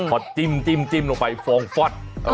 พอจิ้มลงไปฟองฟอด